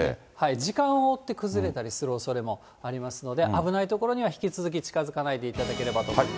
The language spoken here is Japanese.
時間を追って崩れたりするおそれもありますので、危ない所には引き続き近づかないでいただければと思います。